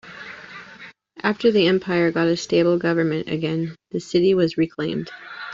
After the empire got a stable government again, the city was reclaimed.